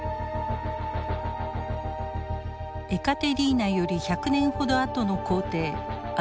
エカテリーナより１００年ほどあとの皇帝アレクサンドル２世の時代。